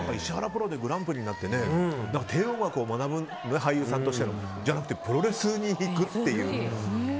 プロでグランプリになって帝王学を学ぶ俳優さんとしてのじゃなくてプロレスに行くっていう。